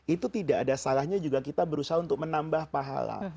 itu tidak ada salahnya juga kita berusaha untuk menambah pahala